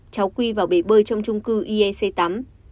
cháu n c a qi vào bể bơi trong trung cư iec tắm